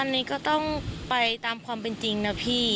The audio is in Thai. อันนี้ก็ต้องไปตามความเป็นจริงนะพี่